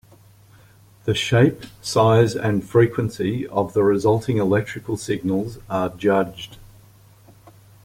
The shape, size, and frequency of the resulting electrical signals are judged.